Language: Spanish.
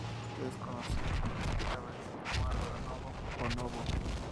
Es conocido futbolísticamente como Álvaro Novo o Novo.